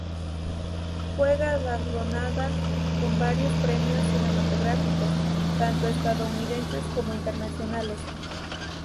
Fue galardonada con varios premios cinematográficos, tanto estadounidenses como internacionales.